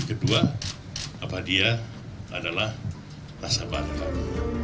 kedua apa dia adalah nasabah baru